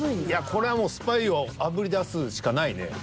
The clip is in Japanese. いやこれはもうスパイをあぶり出すしかないね。